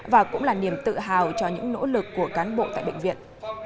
và cũng là niềm tự hào cho những nỗ lực của cán bộ tại bệnh viện